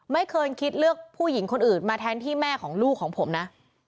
ไม่เคยคิดเลือกผู้หญิงคนอื่นมาแทนที่แม่ของลูกของผมนะ